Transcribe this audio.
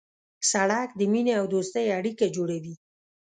سړک د مینې او دوستۍ اړیکه جوړوي.